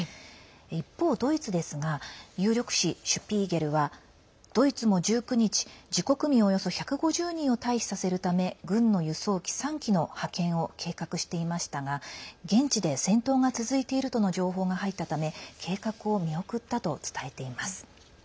一方、ドイツですが有力誌「シュピーゲル」はドイツも１９日自国民、およそ１５０人を退避させるため軍の輸送機３機の派遣を計画していましたが現地で戦闘が続いているとの情報が入ったため計画を見送ったと伝えています。